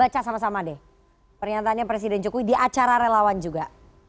baca sama sama deh pernyataannya presiden jokowi di acara relawan juga